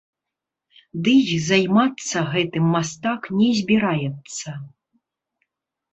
Дый займацца гэтым мастак не збіраецца.